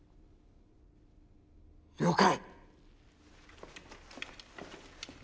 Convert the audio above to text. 了解。